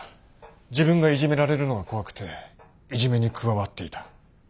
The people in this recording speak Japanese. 自分がいじめられるのが怖くていじめに加わっていた。